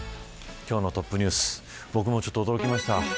今日のトップニュース僕も驚きました。